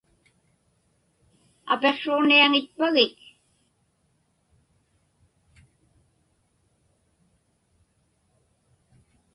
Apiqsruġniaŋitpagik?